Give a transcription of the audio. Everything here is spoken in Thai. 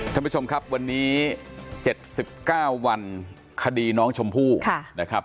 ท่านผู้ชมครับวันนี้เจ็ดสิบเก้าวันคดีน้องชมพู่ค่ะนะครับ